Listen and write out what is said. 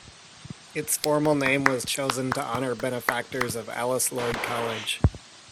Its formal name was chosen to honor benefactors of Alice Lloyd College.